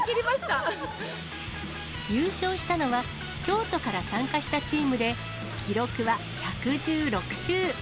優勝したのは、京都から参加したチームで、記録は１１６周。